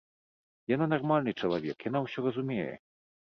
Яна нармальны чалавек, яна ўсё разумее.